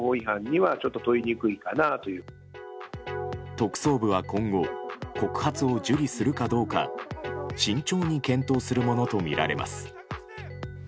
特捜部は今後告発を受理するかどうか慎重に検討するものとみられます。